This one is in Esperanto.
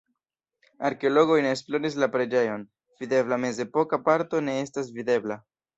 Arkeologoj ne esploris la preĝejon, videbla mezepoka parto ne estas videbla.